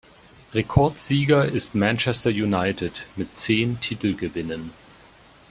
Rekordsieger ist Manchester United mit zehn Titelgewinnen.